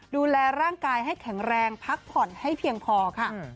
ดูแลร่างกายให้แข็งแรงพักผ่อนให้เพียงพอค่ะ